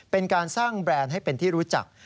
เป็นการสร้างแบรนด์ให้เป็นที่รู้จัก